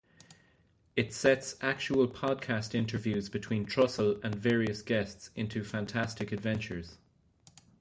It sets actual podcast interviews between Trussell and various guests into fantastic adventures.